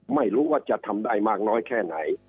ไม่รู้ว่าจะทำได้มากน้อยแค่ไหน